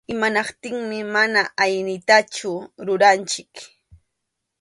Imanaptinmi mana aynitachu ruranchik.